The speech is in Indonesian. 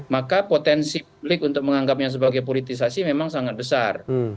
maka potensi publik untuk menganggapnya sebagai politisasi memang sangat besar